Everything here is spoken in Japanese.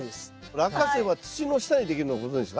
ラッカセイは土の下にできるのご存じですか？